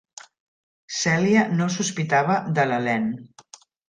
Celia no sospitava de l"Helene.